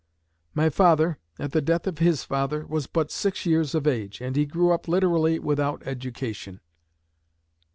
My father, at the death of his father, was but six years of age, and he grew up literally without education.